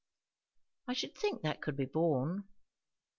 "I should think that could be borne."